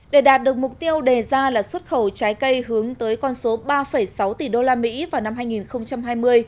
để đạt được mục tiêu đề ra là xuất khẩu trái cây hướng tới con số ba sáu tỷ usd vào năm hai nghìn hai mươi